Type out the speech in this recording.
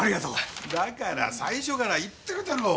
だから最初から言ってるだろう！